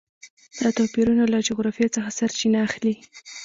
دا توپیرونه له جغرافیې څخه سرچینه اخلي.